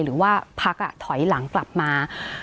หรือว่าพักถอยหลังกลับมา